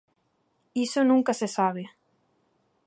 _Iso nunca se sabe.